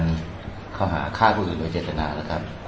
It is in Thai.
เราได้อนุญาตเข้าหาค่าผู้สื่นตัวเจตนาแล้วครับ